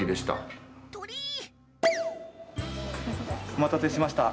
お待たせしました。